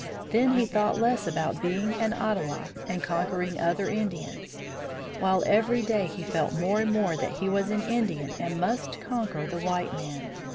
Then he thought less about being an Ottawa and conquering other Indians; while every day he felt more and more that he was an Indian and must conquer the white man.